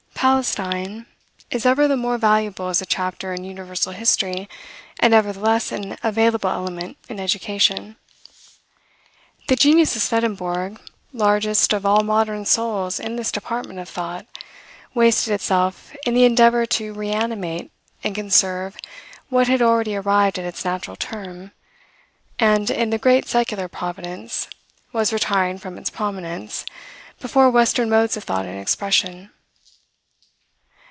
Palestine is ever the more valuable as a chapter in universal history, and ever the less an available element in education. The genius of Swedenborg, largest of all modern souls in this department of thought, wasted itself in the endeavor to reanimate and conserve what had already arrived at its natural term, and, in the great secular Providence, was retiring from its prominence, before western modes of thought and expression.